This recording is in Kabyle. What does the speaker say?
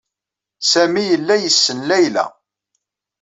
Sami yella yessen Layla.